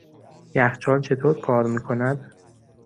یخچال چطور کار میکند؟